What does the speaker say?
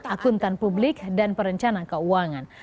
akuntan publik dan perencana keuangan